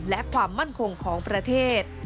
และความมั่นคงของประเทศ